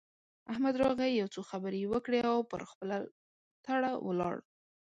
احمد راغی؛ يو څو خبرې يې وکړې او پر خپله تړه ولاړ.